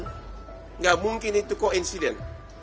tidak mungkin itu koinsiden